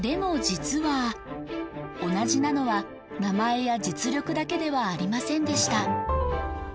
実は同じなのは名前や実力だけではありませんでした